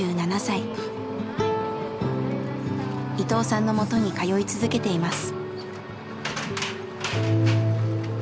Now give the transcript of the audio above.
伊藤さんのもとに通い続けています。